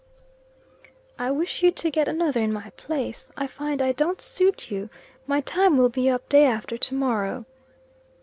"I wish you to get another in my place. I find I don't suit you. My time will be up day after to morrow."